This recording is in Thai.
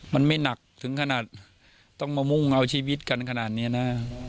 มันไม่หนักถึงขนาดต้องมามุ่งเอาชีวิตกันขนาดนี้นะ